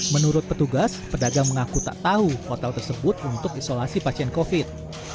menurut petugas pedagang mengaku tak tahu hotel tersebut untuk isolasi pasien covid